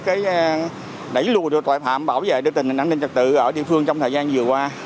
cái đẩy lùi tội phạm bảo vệ được tình hình an ninh trật tự ở địa phương trong thời gian vừa qua